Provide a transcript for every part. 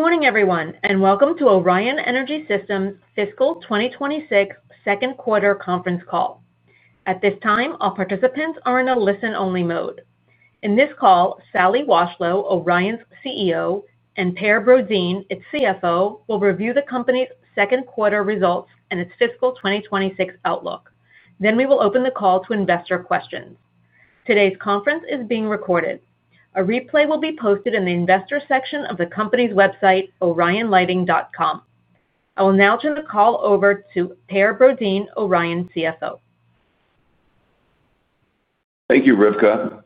Good morning, everyone, and welcome to Orion Energy Systems' fiscal 2026 second quarter conference call. At this time, all participants are in a listen-only mode. In this call, Sally Washlow, Orion's CEO, and Per Brodin, its CFO, will review the company's second quarter results and its fiscal 2026 outlook. We will open the call to investor questions. Today's conference is being recorded. A replay will be posted in the investor section of the company's website, orionlighting.com. I will now turn the call over to Per Brodin, Orion CFO. Thank you, Rivka.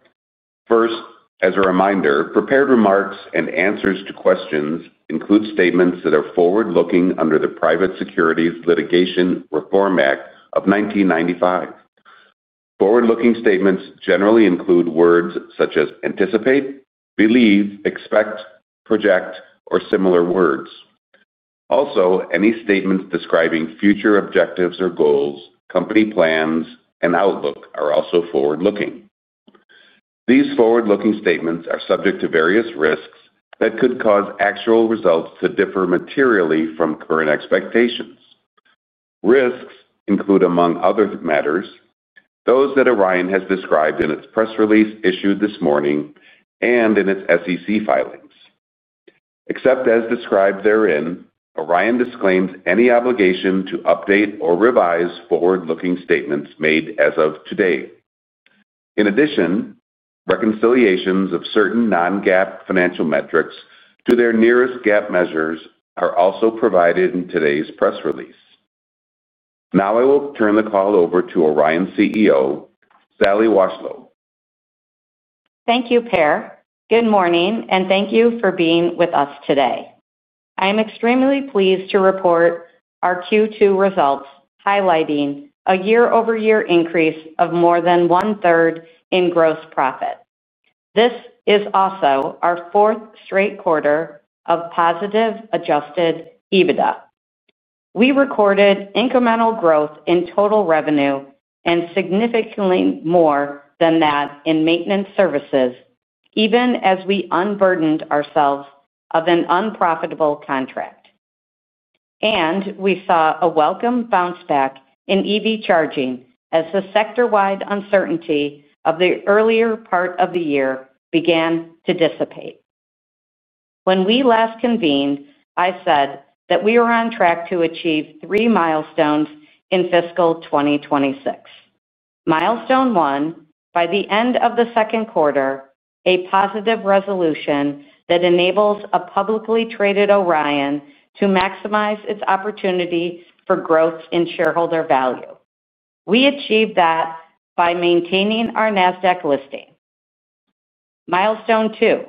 First, as a reminder, prepared remarks and answers to questions include statements that are forward-looking under the Private Securities Litigation Reform Act of 1995. Forward-looking statements generally include words such as anticipate, believe, expect, project, or similar words. Also, any statements describing future objectives or goals, company plans, and outlook are also forward-looking. These forward-looking statements are subject to various risks that could cause actual results to differ materially from current expectations. Risks include, among other matters, those that Orion has described in its press release issued this morning and in its SEC filings. Except as described therein, Orion disclaims any obligation to update or revise forward-looking statements made as of today. In addition, reconciliations of certain non-GAAP financial metrics to their nearest GAAP measures are also provided in today's press release. Now I will turn the call over to Orion CEO, Sally Washlow. Thank you, Per. Good morning, and thank you for being with us today. I am extremely pleased to report our Q2 results highlighting a year-over-year increase of more than one-third in gross profit. This is also our fourth straight quarter of positive adjusted EBITDA. We recorded incremental growth in total revenue and significantly more than that in maintenance services, even as we unburdened ourselves of an unprofitable contract. We saw a welcome bounce back in EV charging as the sector-wide uncertainty of the earlier part of the year began to dissipate. When we last convened, I said that we were on track to achieve three milestones in fiscal 2026. Milestone one: by the end of the second quarter, a positive resolution that enables a publicly traded Orion to maximize its opportunity for growth in shareholder value. We achieved that by maintaining our NASDAQ listing. Milestone two: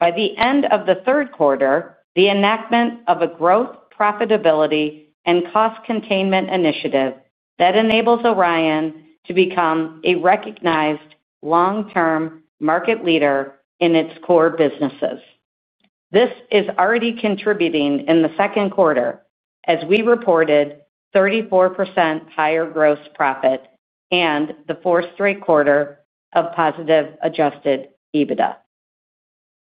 by the end of the third quarter, the enactment of a growth profitability and cost containment initiative that enables Orion to become a recognized long-term market leader in its core businesses. This is already contributing in the second quarter, as we reported 34% higher gross profit and the fourth straight quarter of positive adjusted EBITDA.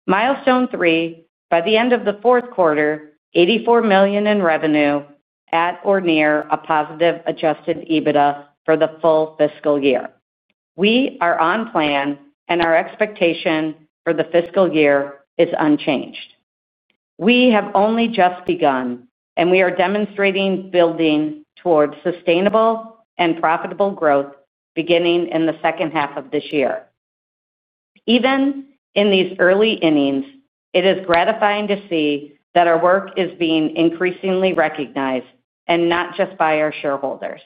Milestone three: by the end of the fourth quarter, $84 million in revenue at or near a positive adjusted EBITDA for the full fiscal year. We are on plan, and our expectation for the fiscal year is unchanged. We have only just begun, and we are demonstrating building towards sustainable and profitable growth beginning in the second half of this year. Even in these early innings, it is gratifying to see that our work is being increasingly recognized and not just by our shareholders.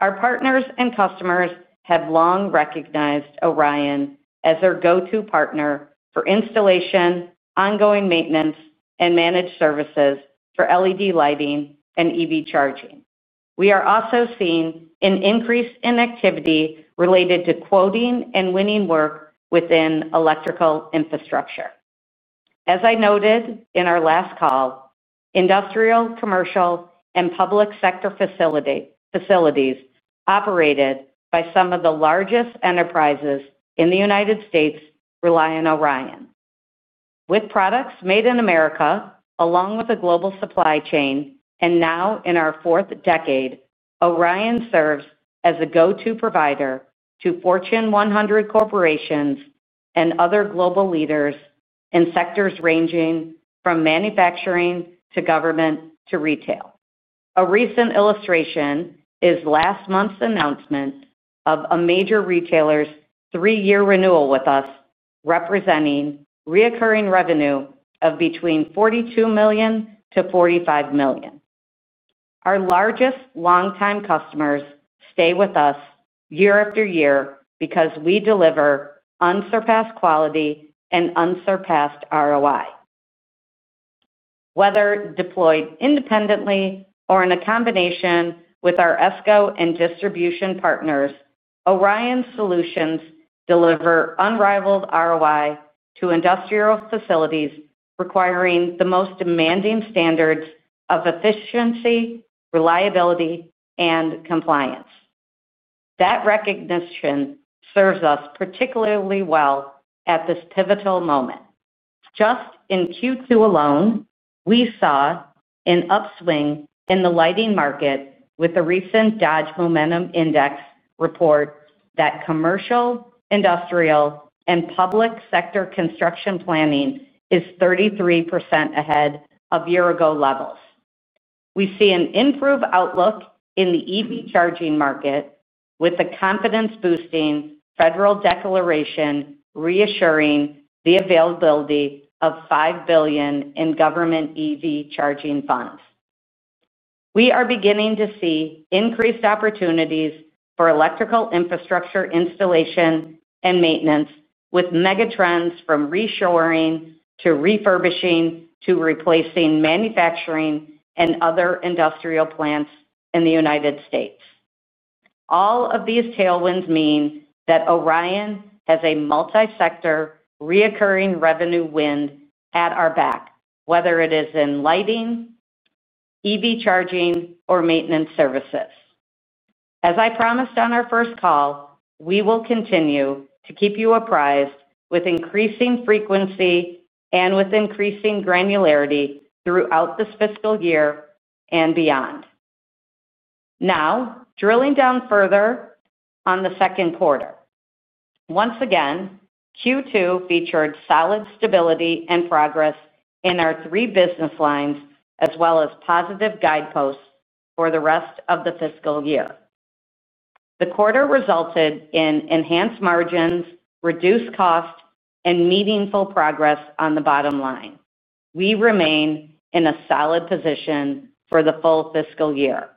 Our partners and customers have long recognized Orion as their go-to partner for installation, ongoing maintenance, and managed services for LED lighting and EV charging. We are also seeing an increase in activity related to quoting and winning work within electrical infrastructure. As I noted in our last call, industrial, commercial, and public sector facilities operated by some of the largest enterprises in the United States rely on Orion. With products made in America, along with a global supply chain, and now in our fourth decade, Orion serves as a go-to provider to Fortune 100 corporations and other global leaders in sectors ranging from manufacturing to government to retail. A recent illustration is last month's announcement of a major retailer's three-year renewal with us, representing recurring revenue of between $42 million-$45 million. Our largest long-time customers stay with us year-after-year because we deliver unsurpassed quality and unsurpassed ROI. Whether deployed independently or in a combination with our ESCO and distribution partners, Orion's solutions deliver unrivaled ROI to industrial facilities requiring the most demanding standards of efficiency, reliability, and compliance. That recognition serves us particularly well at this pivotal moment. Just in Q2 alone, we saw an upswing in the lighting market with the recent Dodge Momentum Index report that commercial, industrial, and public sector construction planning is 33% ahead of year-ago levels. We see an improved outlook in the EV charging market with the confidence-boosting federal declaration reassuring the availability of $5 billion in government EV charging funds. We are beginning to see increased opportunities for electrical infrastructure installation and maintenance with megatrends from reshoring to refurbishing to replacing manufacturing and other industrial plants in the United States. All of these tailwinds mean that Orion has a multi-sector reoccurring revenue wind at our back, whether it is in lighting, EV charging, or maintenance services. As I promised on our first call, we will continue to keep you apprised with increasing frequency and with increasing granularity throughout this fiscal year and beyond. Now, drilling down further on the second quarter. Once again, Q2 featured solid stability and progress in our three business lines as well as positive guideposts for the rest of the fiscal year. The quarter resulted in enhanced margins, reduced cost, and meaningful progress on the bottom line. We remain in a solid position for the full fiscal year.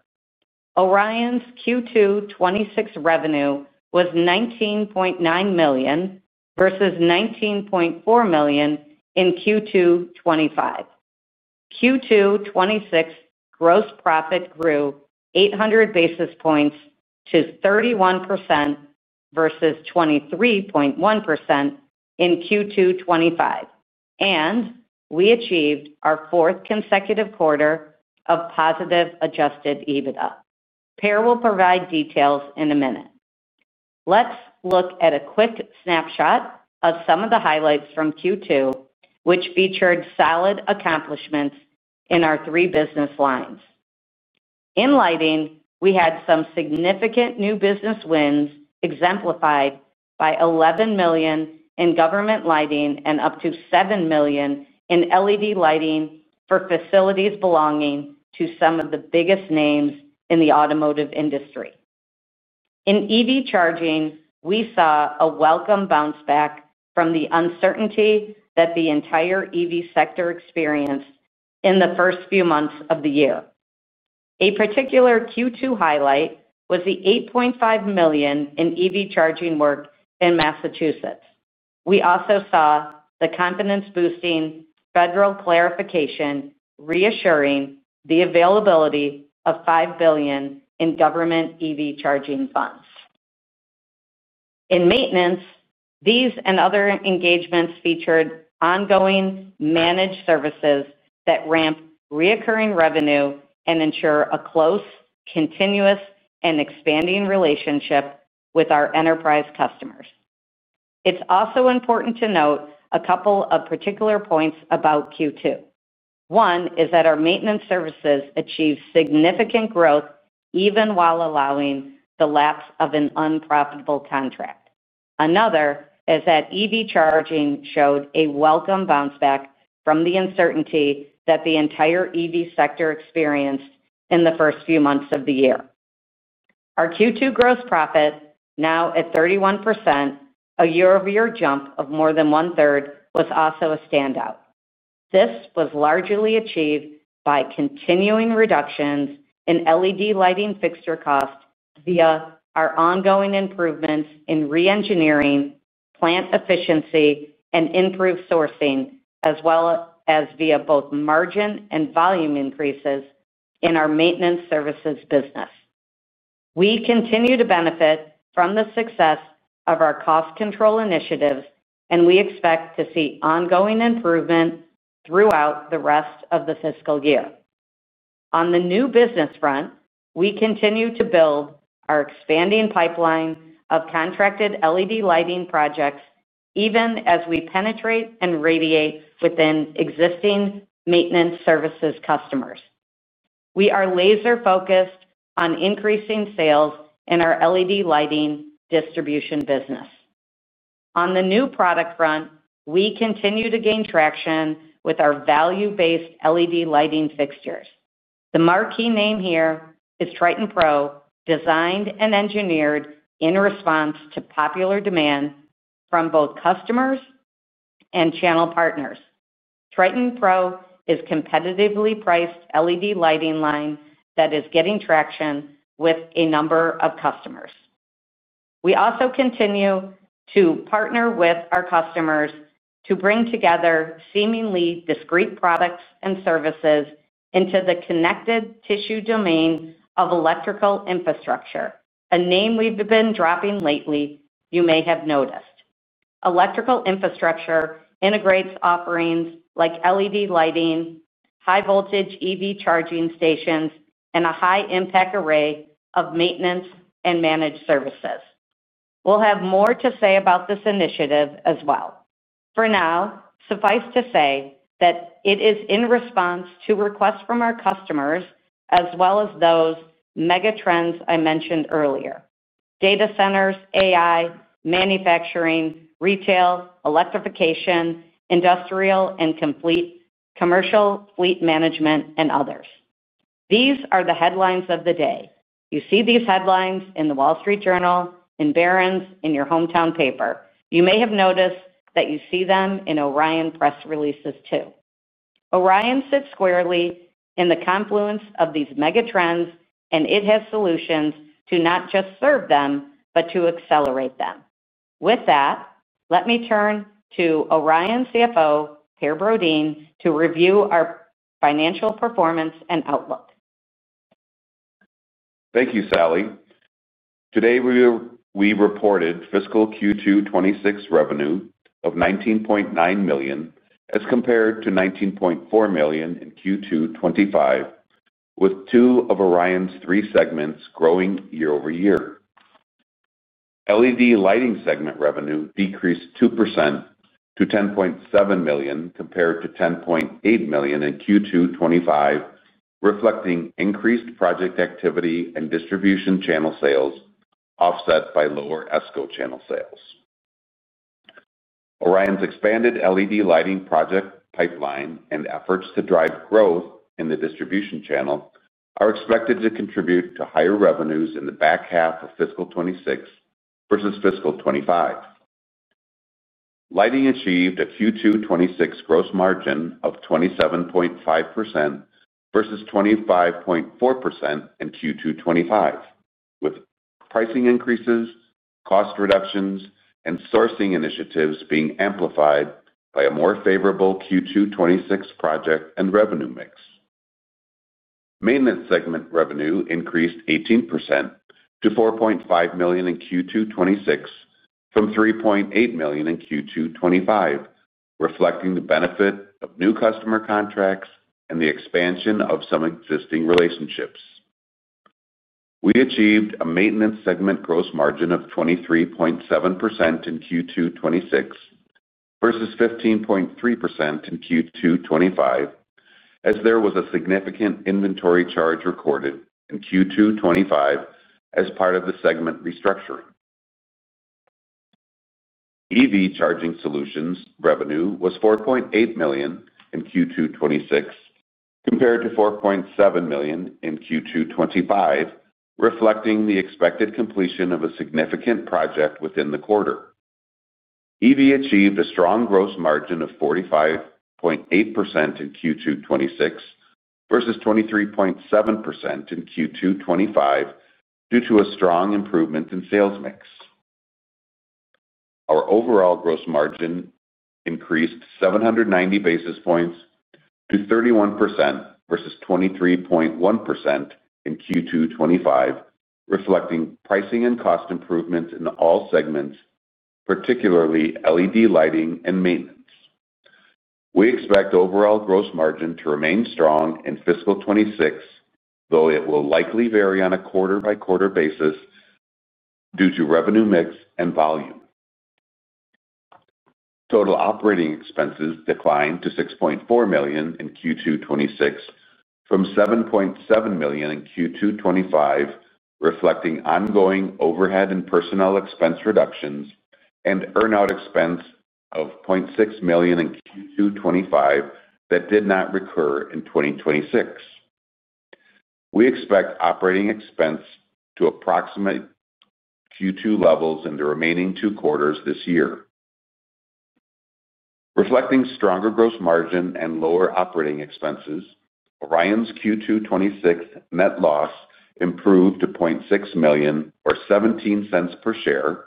Orion's Q2 2026 revenue was $19.9 million versus $19.4 million in Q2 2025. Q2 2026 gross profit grew 800 basis points to 31% versus 23.1% in Q2 2025. We achieved our fourth consecutive quarter of positive adjusted EBITDA. Per will provide details in a minute. Let's look at a quick snapshot of some of the highlights from Q2, which featured solid accomplishments in our three business lines. In lighting, we had some significant new business wins exemplified by $11 million in government lighting and up to $7 million in LED lighting for facilities belonging to some of the biggest names in the automotive industry. In EV charging, we saw a welcome bounce back from the uncertainty that the entire EV sector experienced in the first few months of the year. A particular Q2 highlight was the $8.5 million in EV charging work in Massachusetts. We also saw the confidence-boosting federal clarification reassuring the availability of $5 billion in government EV charging funds. In maintenance, these and other engagements featured ongoing managed services that ramp reoccurring revenue and ensure a close, continuous, and expanding relationship with our enterprise customers. It's also important to note a couple of particular points about Q2. One is that our maintenance services achieved significant growth even while allowing the lapse of an unprofitable contract. Another is that EV charging showed a welcome bounce back from the uncertainty that the entire EV sector experienced in the first few months of the year. Our Q2 gross profit, now at 31%, a year-over-year jump of more than one-third, was also a standout. This was largely achieved by continuing reductions in LED lighting fixture cost via our ongoing improvements in reengineering, plant efficiency, and improved sourcing, as well as via both margin and volume increases in our maintenance services business. We continue to benefit from the success of our cost control initiatives, and we expect to see ongoing improvement throughout the rest of the fiscal year. On the new business front, we continue to build our expanding pipeline of contracted LED lighting projects even as we penetrate and radiate within existing maintenance services customers. We are laser-focused on increasing sales in our LED lighting distribution business. On the new product front, we continue to gain traction with our value-based LED lighting fixtures. The marquee name here is Triton Pro, designed and engineered in response to popular demand from both customers and channel partners. Triton Pro is a competitively priced LED lighting line that is getting traction with a number of customers. We also continue to partner with our customers to bring together seemingly discrete products and services into the connective tissue domain of electrical infrastructure, a name we've been dropping lately you may have noticed. Electrical infrastructure integrates offerings like LED lighting, high-voltage EV charging stations, and a high-impact array of maintenance and managed services. We'll have more to say about this initiative as well. For now, suffice to say that it is in response to requests from our customers as well as those megatrends I mentioned earlier: data centers, AI, manufacturing, retail, electrification, industrial, and complete commercial fleet management, and others. These are the headlines of the day. You see these headlines in The Wall Street Journal, in Barron's, in your hometown paper. You may have noticed that you see them in Orion press releases too. Orion sits squarely in the confluence of these megatrends, and it has solutions to not just serve them but to accelerate them. With that, let me turn to Orion CFO, Per Brodin, to review our financial performance and outlook. Thank you, Sally. Today, we reported fiscal Q2 2026 revenue of $19.9 million as compared to $19.4 million in Q2 2025, with two of Orion's three segments growing year-over-year. LED lighting segment revenue decreased 2% to $10.7 million compared to $10.8 million in Q2 2025, reflecting increased project activity and distribution channel sales offset by lower ESCO channel sales. Orion's expanded LED lighting project pipeline and efforts to drive growth in the distribution channel are expected to contribute to higher revenues in the back half of fiscal 2026 versus fiscal 2025. Lighting achieved a Q2 2026 gross margin of 27.5% versus 25.4% in Q2 2025, with pricing increases, cost reductions, and sourcing initiatives being amplified by a more favorable Q2 2026 project and revenue mix. Maintenance segment revenue increased 18% to $4.5 million in Q2 2026 from $3.8 million in Q2 2025, reflecting the benefit of new customer contracts and the expansion of some existing relationships. We achieved a maintenance segment gross margin of 23.7% in Q2 2026 versus 15.3% in Q2 2025, as there was a significant inventory charge recorded in Q2 2025 as part of the segment restructuring. EV charging solutions revenue was $4.8 million in Q2 2026 compared to $4.7 million in Q2 2025, reflecting the expected completion of a significant project within the quarter. EV achieved a strong gross margin of 45.8% in Q2 2026 versus 23.7% in Q2 2025 due to a strong improvement in sales mix. Our overall gross margin increased 790 basis points to 31% versus 23.1% in Q2 2025, reflecting pricing and cost improvements in all segments, particularly LED lighting and maintenance. We expect overall gross margin to remain strong in fiscal 2026, though it will likely vary on a quarter-by-quarter basis due to revenue mix and volume. Total operating expenses declined to $6.4 million in Q2 2026 from $7.7 million in Q2 2025, reflecting ongoing overhead and personnel expense reductions and earn-out expense of $0.6 million in Q2 2025 that did not recur in 2026. We expect operating expense to approximate Q2 levels in the remaining two quarters this year. Reflecting stronger gross margin and lower operating expenses, Orion's Q2 2026 net loss improved to $0.6 million or $0.17 per share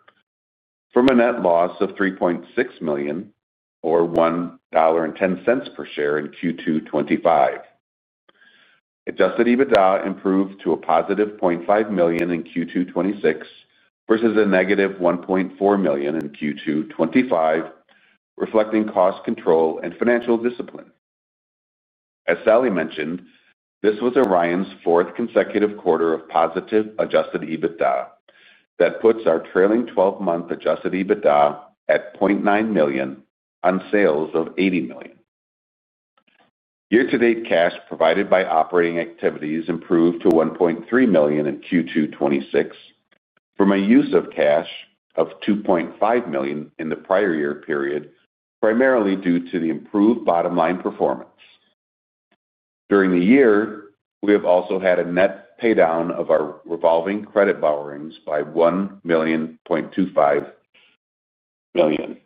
from a net loss of $3.6 million or $1.10 per share in Q2 2025. Adjusted EBITDA improved to a positive $0.5 million in Q2 2026 versus a negative $1.4 million in Q2 2025, reflecting cost control and financial discipline. As Sally mentioned, this was Orion's fourth consecutive quarter of positive adjusted EBITDA that puts our trailing 12-month adjusted EBITDA at $0.9 million on sales of $80 million. Year-to-date cash provided by operating activities improved to $1.3 million in Q2 2026 from a use of cash of $2.5 million in the prior year period, primarily due to the improved bottom line performance. During the year, we have also had a net paydown of our revolving credit borrowings by $1.25 million.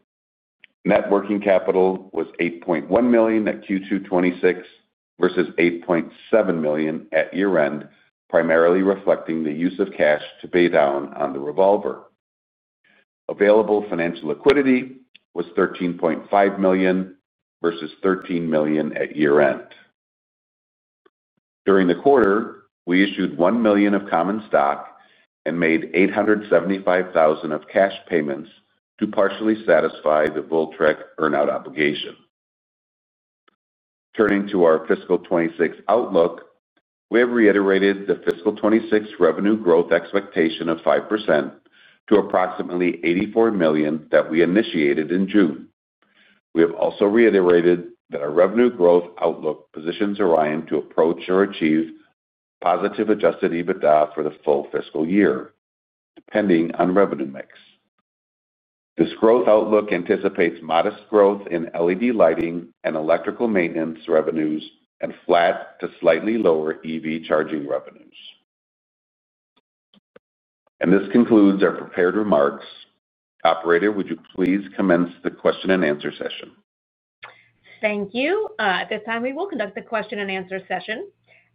Net working capital was $8.1 million at Q2 2026 versus $8.7 million at year-end, primarily reflecting the use of cash to pay down on the revolver. Available financial liquidity was $13.5 million versus $13 million at year-end. During the quarter, we issued $1 million of common stock and made $875,000 of cash payments to partially satisfy the VOLTREK earn-out obligation. Turning to our fiscal 2026 outlook, we have reiterated the fiscal 2026 revenue growth expectation of 5% to approximately $84 million that we initiated in June. We have also reiterated that our revenue growth outlook positions Orion to approach or achieve positive adjusted EBITDA for the full fiscal year, depending on revenue mix. This growth outlook anticipates modest growth in LED lighting and electrical maintenance revenues and flat to slightly lower EV charging revenues. This concludes our prepared remarks. Operator, would you please commence the question and answer session? Thank you. At this time, we will conduct the question and answer session.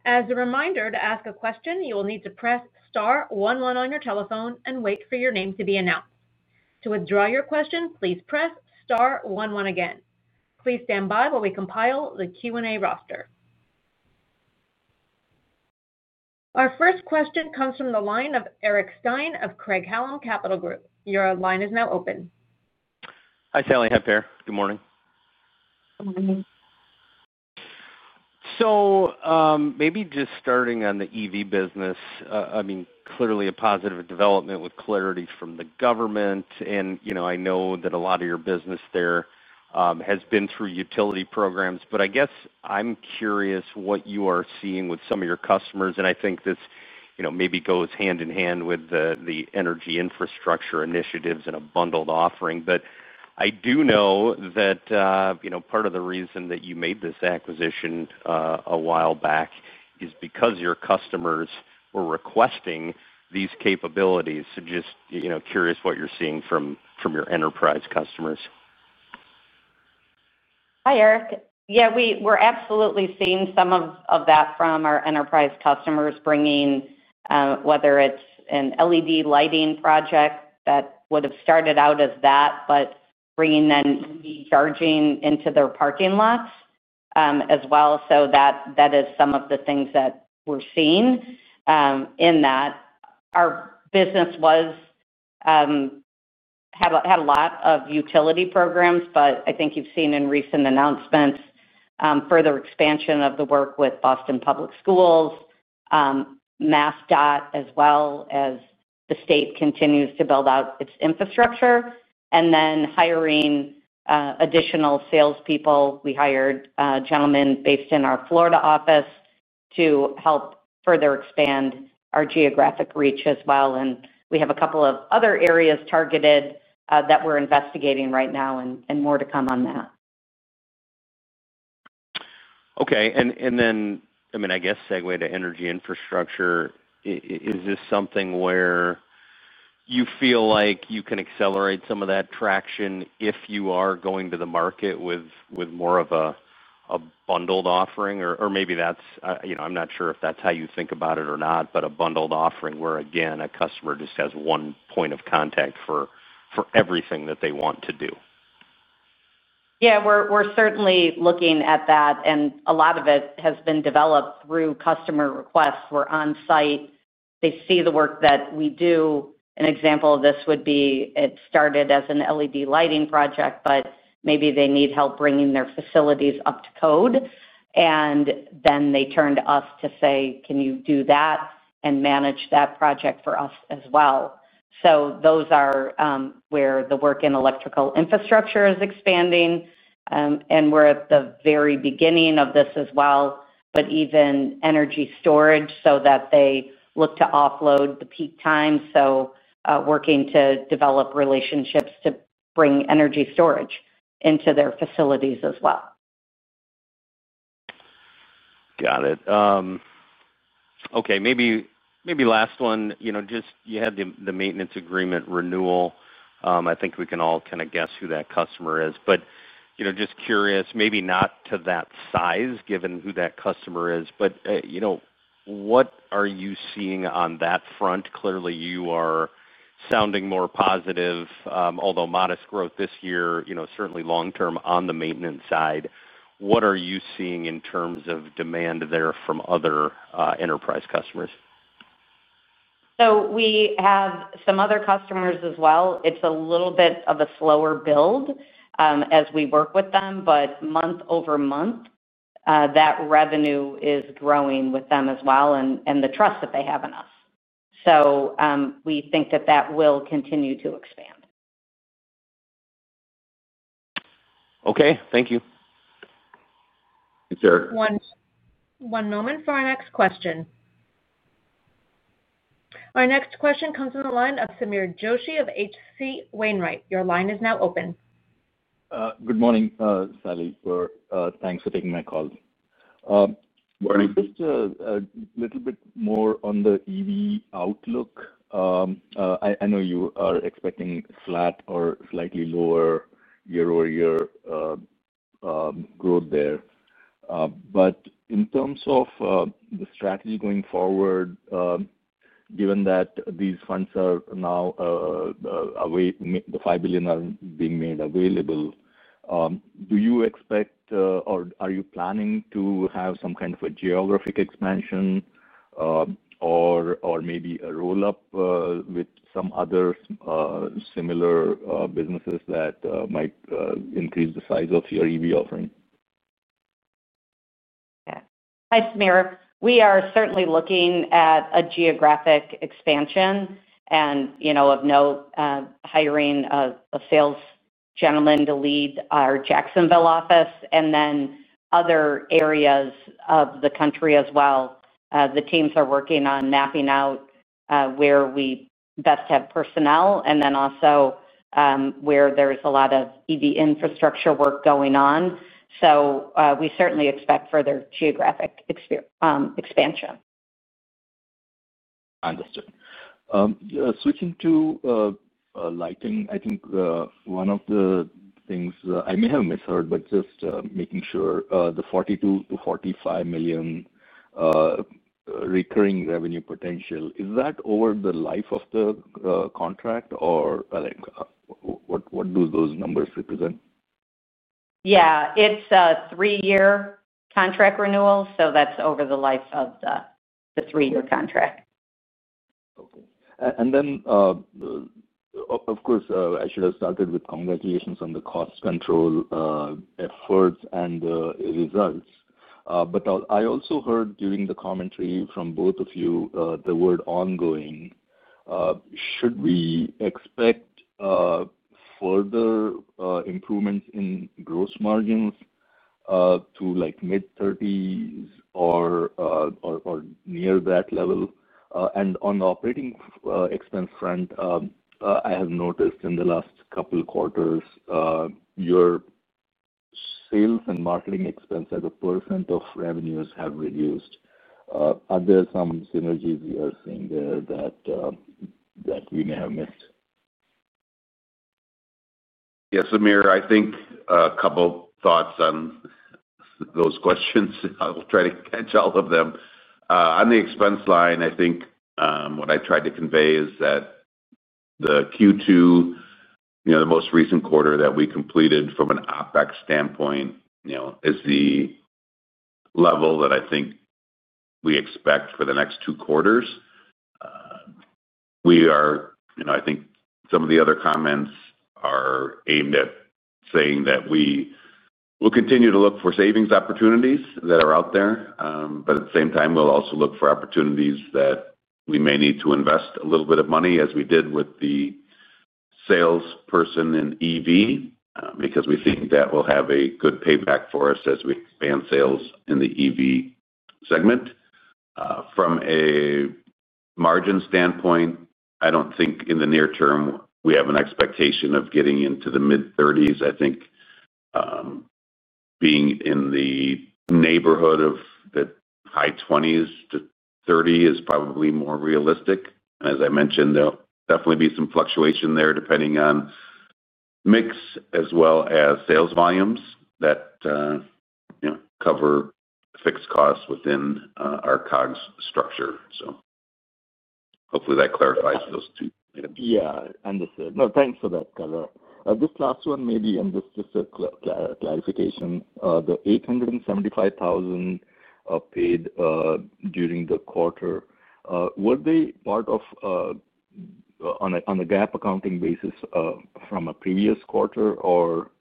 As a reminder, to ask a question, you will need to press star 11 on your telephone and wait for your name to be announced. To withdraw your question, please press star 11 again. Please stand by while we compile the Q&A roster. Our first question comes from the line of Eric Stein of Craig-Hallum Capital Group. Your line is now open. Hi, Sally. Hi, Per. Good morning. Good morning. Maybe just starting on the EV business, I mean, clearly a positive development with clarity from the government. I know that a lot of your business there has been through utility programs, but I guess I'm curious what you are seeing with some of your customers. I think this maybe goes hand in hand with the energy infrastructure initiatives and a bundled offering. I do know that part of the reason that you made this acquisition a while back is because your customers were requesting these capabilities. Just curious what you're seeing from your enterprise customers. Hi, Eric. Yeah, we're absolutely seeing some of that from our enterprise customers bringing, whether it's an LED lighting project that would have started out as that, but bringing then EV charging into their parking lots as well. That is some of the things that we're seeing. Our business had a lot of utility programs, but I think you've seen in recent announcements further expansion of the work with Boston Public Schools, MassDOT, as well as the state continues to build out its infrastructure, and then hiring additional salespeople. We hired a gentleman based in our Florida office to help further expand our geographic reach as well. We have a couple of other areas targeted that we're investigating right now, and more to come on that. Okay. I mean, I guess segue to energy infrastructure. Is this something where you feel like you can accelerate some of that traction if you are going to the market with more of a bundled offering? Or maybe that's—I'm not sure if that's how you think about it or not—but a bundled offering where, again, a customer just has one point of contact for everything that they want to do? Yeah, we're certainly looking at that. A lot of it has been developed through customer requests. We're on-site. They see the work that we do. An example of this would be it started as an LED lighting project, but maybe they need help bringing their facilities up to code. They turn to us to say, "Can you do that and manage that project for us as well?" Those are where the work in electrical infrastructure is expanding. We're at the very beginning of this as well, but even energy storage so that they look to offload the peak time. Working to develop relationships to bring energy storage into their facilities as well. Got it. Okay. Maybe last one. You had the maintenance agreement renewal. I think we can all kind of guess who that customer is. Just curious, maybe not to that size given who that customer is, but what are you seeing on that front? Clearly, you are sounding more positive, although modest growth this year, certainly long-term on the maintenance side. What are you seeing in terms of demand there from other enterprise customers? We have some other customers as well. It's a little bit of a slower build as we work with them, but month over month that revenue is growing with them as well and the trust that they have in us. We think that that will continue to expand. Okay. Thank you. Thanks, Eric. One moment for our next question. Our next question comes from the line of Samir Joshi of HC Wainwright. Your line is now open. Good morning, Sally. Thanks for taking my call. Morning. Just a little bit more on the EV outlook. I know you are expecting flat or slightly lower year-over-year growth there, but in terms of the strategy going forward, given that these funds are now, the $5 billion are being made available, do you expect or are you planning to have some kind of a geographic expansion. Or maybe a roll-up with some other similar businesses that might increase the size of your EV offering? Yeah. Hi, Samir. We are certainly looking at a geographic expansion and, of note, hiring a sales gentleman to lead our Jacksonville office and then other areas of the country as well. The teams are working on mapping out where we best have personnel and then also where there's a lot of EV infrastructure work going on. We certainly expect further geographic expansion. Understood. Switching to lighting, I think one of the things I may have misheard, but just making sure, the $42 million-$45 million recurring revenue potential, is that over the life of the contract or what do those numbers represent? Yeah. It's a three-year contract renewal. That's over the life of the three-year contract. Okay. And then. Of course, I should have started with congratulations on the cost control efforts and the results. I also heard during the commentary from both of you the word ongoing. Should we expect further improvements in gross margins to mid-30s or near that level? On the operating expense front, I have noticed in the last couple of quarters your sales and marketing expense as a percent of revenues have reduced. Are there some synergies you are seeing there that we may have missed? Yeah. Samir, I think a couple of thoughts on those questions. I'll try to catch all of them. On the expense line, I think what I tried to convey is that the Q2, the most recent quarter that we completed from an OpEx standpoint, is the level that I think we expect for the next two quarters. We are, I think some of the other comments are aimed at saying that we will continue to look for savings opportunities that are out there. At the same time, we'll also look for opportunities that we may need to invest a little bit of money as we did with the salesperson in EV because we think that will have a good payback for us as we expand sales in the EV segment. From a margin standpoint, I do not think in the near term we have an expectation of getting into the mid-30s. I think being in the neighborhood of the high 20s to 30 is probably more realistic. As I mentioned, there will definitely be some fluctuation there depending on mix as well as sales volumes that cover fixed costs within our COGS structure. Hopefully, that clarifies those two. Yeah. Understood. No, thanks for that, Carl. This last one maybe and just a clarification. The $875,000 paid during the quarter, were they part of, on a GAAP accounting basis, from a previous quarter or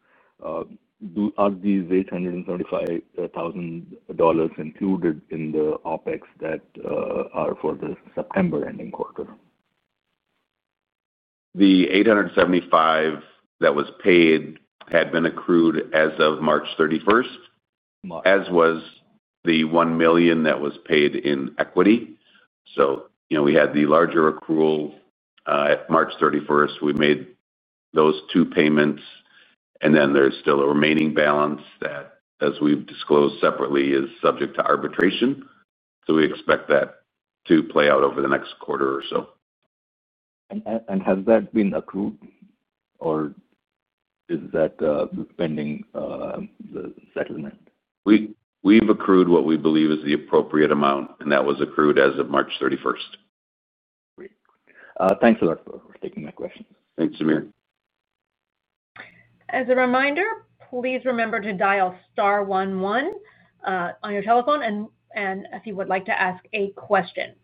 are these $875,000 included in the OpEx that are for the September ending quarter? The $875,000 that was paid had been accrued as of March 31, as was the $1 million that was paid in equity. We had the larger accrual at March 31. We made those two payments, and then there's still a remaining balance that, as we've disclosed separately, is subject to arbitration. We expect that to play out over the next quarter or so. Has that been accrued or is that pending the settlement? We've accrued what we believe is the appropriate amount, and that was accrued as of March 31. Great. Thanks a lot for taking my questions. Thanks, Samir. As a reminder, please remember to dial star 11 on your telephone if you would like to ask a question.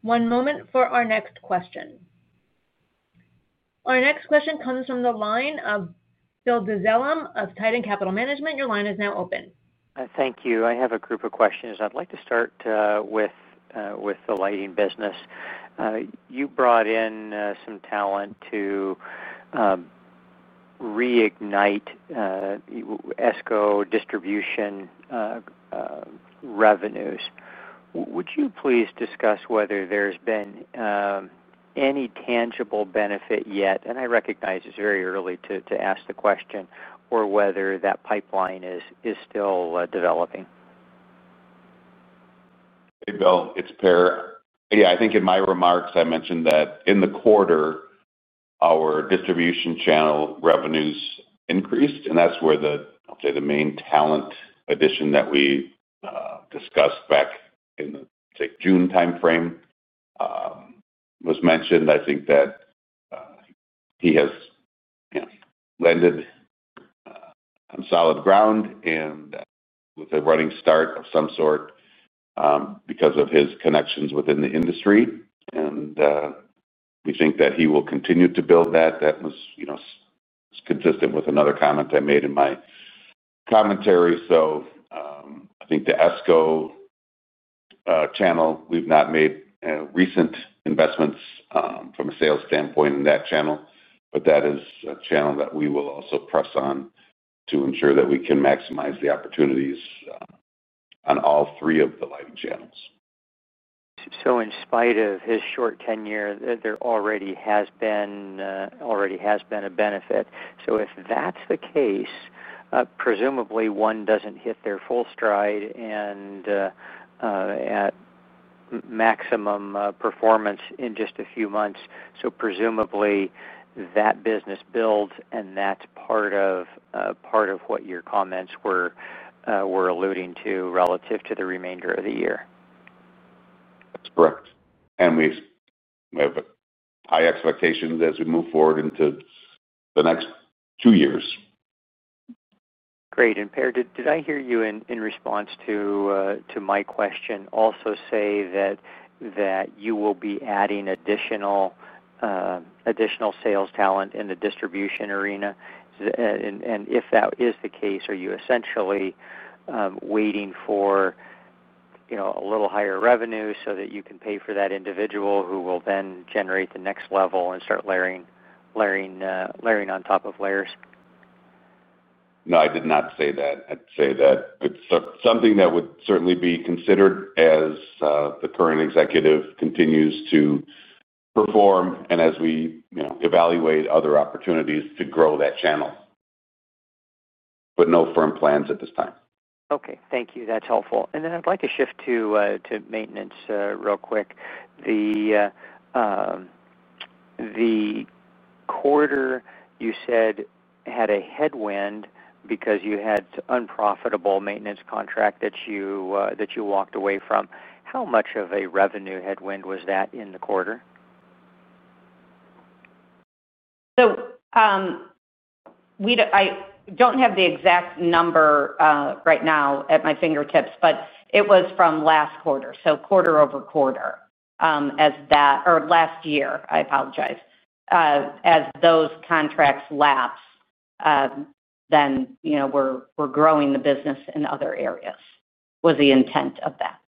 One moment for our next question. Our next question comes from the line of Bill Duzellum of Titan Capital Management. Your line is now open. Thank you. I have a group of questions. I'd like to start with the lighting business. You brought in some talent to reignite ESCO distribution revenues. Would you please discuss whether there's been any tangible benefit yet? And I recognize it's very early to ask the question or whether that pipeline is still developing. Hey, Bill. It's Per. Yeah. I think in my remarks, I mentioned that in the quarter our distribution channel revenues increased. And that's where the, I'll say, the main talent addition that we discussed back in the June timeframe was mentioned. I think that he has landed. On solid ground and with a running start of some sort. Because of his connections within the industry. We think that he will continue to build that. That was consistent with another comment I made in my commentary. I think the ESCO channel, we've not made recent investments from a sales standpoint in that channel. That is a channel that we will also press on to ensure that we can maximize the opportunities on all three of the lighting channels. In spite of his short tenure, there already has been a benefit. If that's the case, presumably one doesn't hit their full stride and at maximum performance in just a few months. Presumably that business builds and that's part of what your comments were alluding to relative to the remainder of the year. That's correct. We. Have high expectations as we move forward into the next two years. Great. Per, did I hear you in response to my question also say that you will be adding additional sales talent in the distribution arena? If that is the case, are you essentially waiting for a little higher revenue so that you can pay for that individual who will then generate the next level and start layering on top of layers? No, I did not say that. I'd say that it's something that would certainly be considered as the current executive continues to perform and as we evaluate other opportunities to grow that channel. No firm plans at this time. Okay. Thank you. That's helpful. I'd like to shift to maintenance real quick. The quarter you said had a headwind because you had an unprofitable maintenance contract that you walked away from. How much of a revenue headwind was that in the quarter? I do not have the exact number right now at my fingertips, but it was from last quarter. Quarter over quarter, or last year, I apologize. As those contracts lapse, we are growing the business in other areas was the intent of that.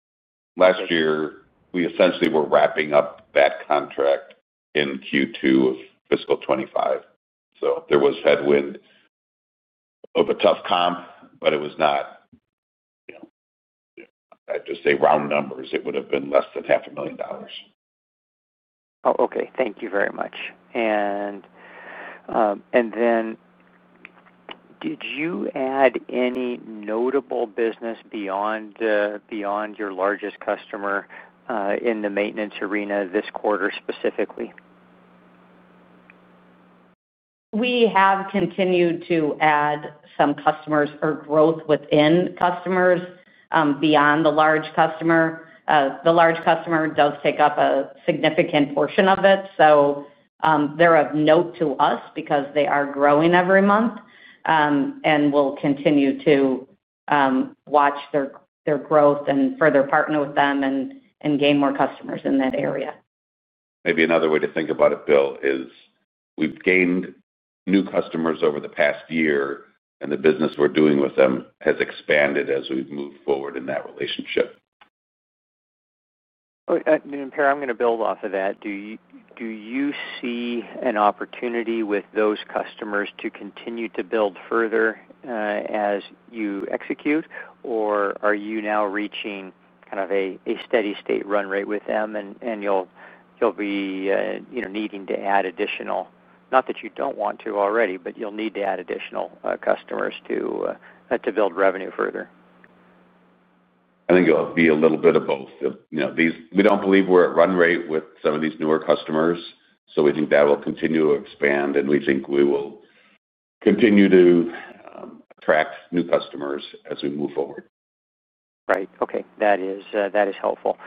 Last year, we essentially were wrapping up that contract in Q2 of fiscal 2025. There was a headwind of a tough comp, but it was not, I would just say round numbers, it would have been less than $500,000. Oh, okay. Thank you very much. Did you add any notable business beyond your largest customer in the maintenance arena this quarter specifically? We have continued to add some customers or growth within customers beyond the large customer. The large customer does take up a significant portion of it. They're of note to us because they are growing every month. We'll continue to watch their growth and further partner with them and gain more customers in that area. Maybe another way to think about it, Bill, is we've gained new customers over the past year, and the business we're doing with them has expanded as we've moved forward in that relationship. Per, I'm going to build off of that. Do you see an opportunity with those customers to continue to build further as you execute, or are you now reaching kind of a steady-state run rate with them and you'll be needing to add additional—not that you don't want to already, but you'll need to add additional customers to build revenue further? I think it'll be a little bit of both. We don't believe we're at run rate with some of these newer customers. We think that will continue to expand, and we think we will continue to attract new customers as we move forward. Right. Okay. That is helpful.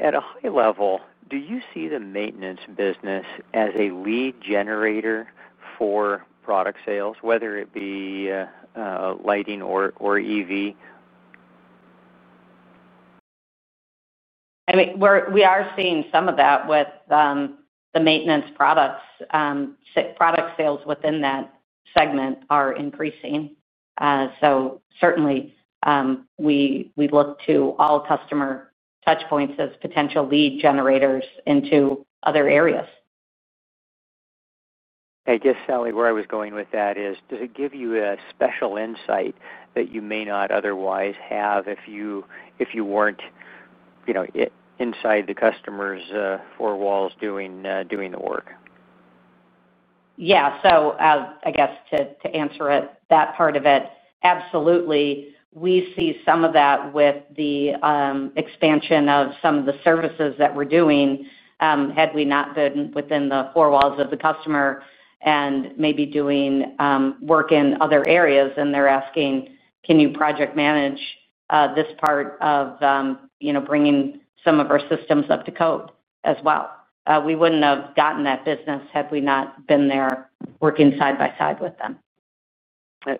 At a high level, do you see the maintenance business as a lead generator for product sales, whether it be lighting or EV? We are seeing some of that with the maintenance products. Sales within that segment are increasing. Certainly, we look to all customer touchpoints as potential lead generators into other areas. I guess, Sally, where I was going with that is, does it give you a special insight that you may not otherwise have if you were not inside the customer's four walls doing the work? Yeah. I guess to answer that part of it, absolutely. We see some of that with the expansion of some of the services that we are doing. Had we not been within the four walls of the customer and maybe doing work in other areas, and they're asking, "Can you project manage this part of bringing some of our systems up to code as well?" we wouldn't have gotten that business had we not been there working side by side with them.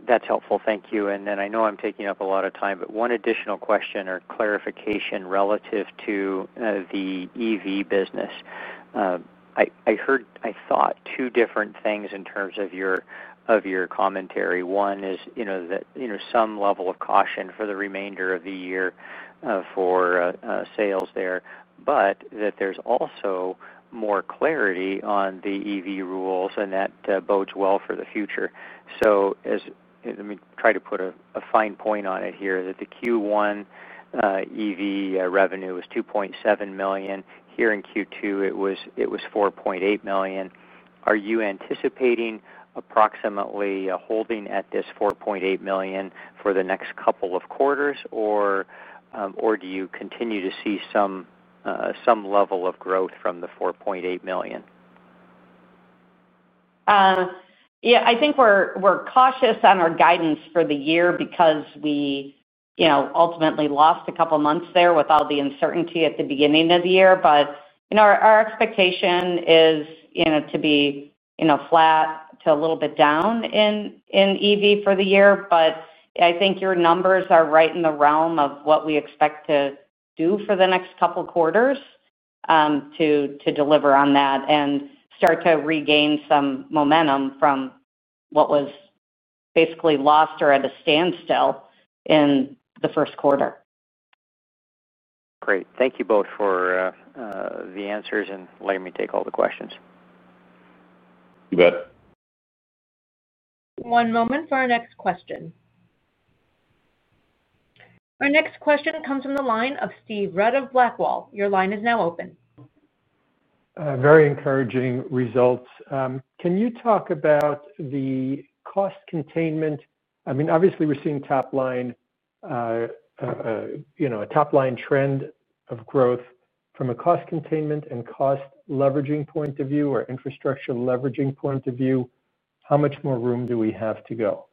That's helpful. Thank you. I know I'm taking up a lot of time, but one additional question or clarification relative to the EV business. I thought two different things in terms of your commentary. One is that some level of caution for the remainder of the year for sales there, but that there's also more clarity on the EV rules and that bodes well for the future. Let me try to put a fine point on it here, that the Q1 EV revenue was $2.7 million. Here in Q2, it was $4.8 million. Are you anticipating approximately holding at this $4.8 million for the next couple of quarters, or do you continue to see some level of growth from the $4.8 million? Yeah. I think we're cautious on our guidance for the year because we ultimately lost a couple of months there with all the uncertainty at the beginning of the year. Our expectation is to be flat to a little bit down in EV for the year. I think your numbers are right in the realm of what we expect to do for the next couple of quarters to deliver on that and start to regain some momentum from what was basically lost or at a standstill in the first quarter. Great. Thank you both for the answers and letting me take all the questions. You bet. One moment for our next question. Our next question comes from the line of Steve Rudd of Blackwall. Your line is now open. Very encouraging results. Can you talk about the cost containment? I mean, obviously, we're seeing top line, a top line trend of growth from a cost containment and cost leveraging point of view or infrastructure leveraging point of view. How much more room do we have to go?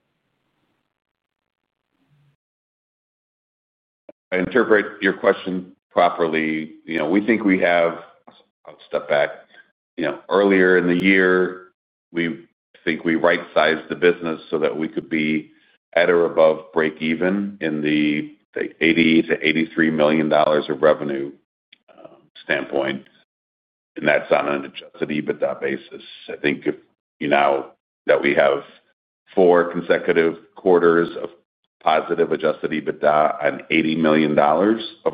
If I interpret your question properly, we think we have—I will step back. Earlier in the year, we think we right-sized the business so that we could be at or above break-even in the $80 million-$83 million of revenue standpoint. And that's on an adjusted EBITDA basis. I think now that we have four consecutive quarters of positive adjusted EBITDA and $80 million of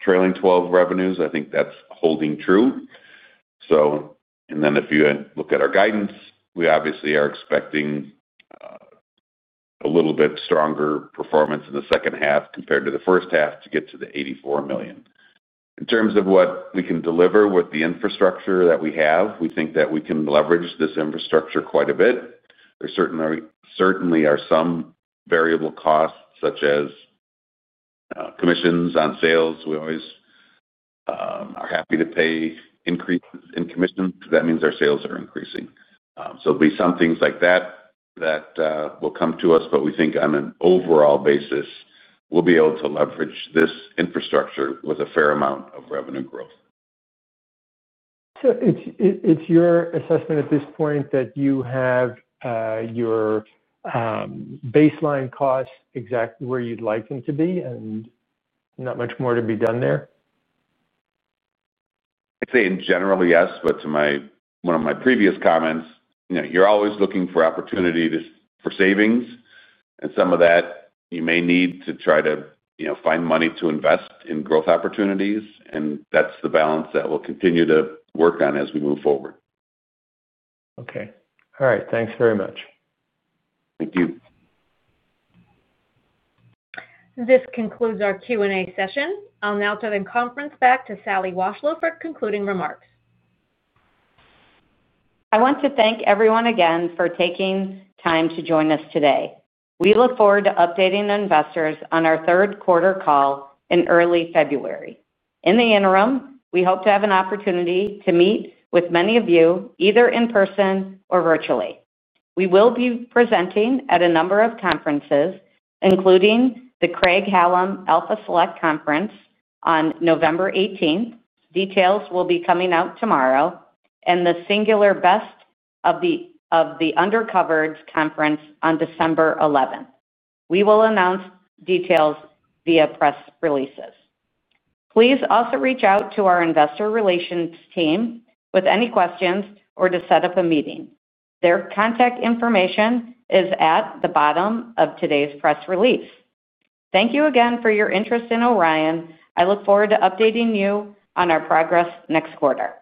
trailing 12 revenues, I think that's holding true. If you look at our guidance, we obviously are expecting a little bit stronger performance in the second half compared to the first half to get to the $84 million. In terms of what we can deliver with the infrastructure that we have, we think that we can leverage this infrastructure quite a bit. There certainly are some variable costs such as commissions on sales. We always are happy to pay increases in commissions because that means our sales are increasing. There will be some things like that that will come to us, but we think on an overall basis, we will be able to leverage this infrastructure with a fair amount of revenue growth. It is your assessment at this point that you have your baseline costs exactly where you would like them to be and not much more to be done there? I would say in general, yes. To one of my previous comments, you're always looking for opportunity for savings. Some of that you may need to try to find money to invest in growth opportunities. That's the balance that we'll continue to work on as we move forward. Okay. All right. Thanks very much. Thank you. This concludes our Q&A session. I'll now turn the conference back to Sally Washlow for concluding remarks. I want to thank everyone again for taking time to join us today. We look forward to updating investors on our third quarter call in early February. In the interim, we hope to have an opportunity to meet with many of you either in person or virtually. We will be presenting at a number of conferences, including the Craig-Hallum Alpha Select Conference on November 18. Details will be coming out tomorrow, and the Singular Best of the. Undercovered's conference on December 11th. We will announce details via press releases. Please also reach out to our investor relations team with any questions or to set up a meeting. Their contact information is at the bottom of today's press release. Thank you again for your interest in Orion. I look forward to updating you on our progress next quarter.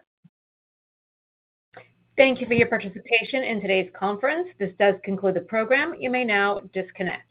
Thank you for your participation in today's conference. This does conclude the program. You may now disconnect.